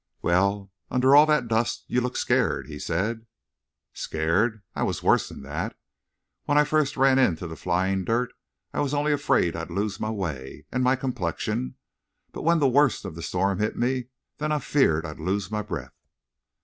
"Well, under all that dust you look scared," he said. "Scared! I was worse than that. When I first ran into the flying dirt I was only afraid I'd lose my way—and my complexion. But when the worst of the storm hit me—then I feared I'd lose my breath."